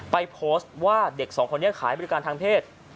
โพสต์ว่าเด็กสองคนนี้ขายบริการทางเพศ